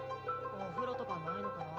お風呂とかないのかな？